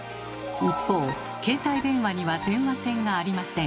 一方携帯電話には電話線がありません。